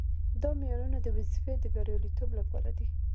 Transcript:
دا معیارونه د وظیفې د بریالیتوب لپاره دي.